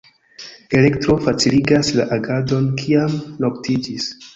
Elektro faciligas la agadon, kiam noktiĝis.